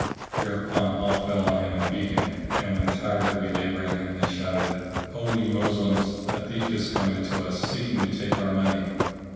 Thereupon all fell on him and beat him;[FN#652] and when tired of belabouring him they shouted, "O ye Moslems! a thief is come in to us, seeking to take our money!"